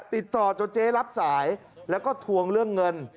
ติดต่อจนเจ๊รับสายแล้วก็ทวงเรื่องเงิน